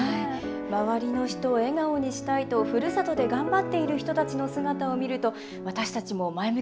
周りの人を笑顔にしたいとふるさとで頑張っている人たちの姿を見ると私たちも前向きな気持ちになれますよね。